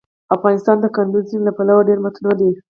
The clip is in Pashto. افغانستان د کندز سیند له پلوه ډېر متنوع دی.